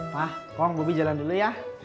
pak kong bobby jalan dulu ya